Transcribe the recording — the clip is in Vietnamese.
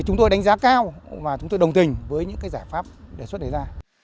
chúng tôi đánh giá cao và chúng tôi đồng tình với những giải pháp đề xuất đề ra